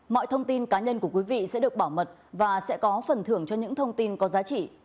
mọi thông tin cá nhân của quý vị sẽ được bảo mật và sẽ có phần thưởng cho những thông tin có giá trị